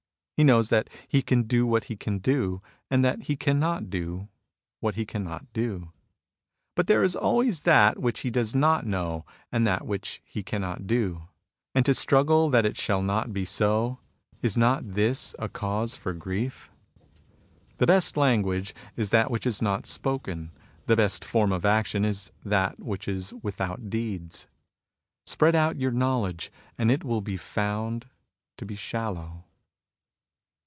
He knows that he can do what he can do, and that he cannot do what he cannot do. But there is always that which he does not know and that which he cannot do ; and to struggle that it shall not be so — is not this a cause for grief ? The best language is that which is not spoken, the best form of action is that which is without deeds. Spread out your knowledge, and it wiU be found to be shallow.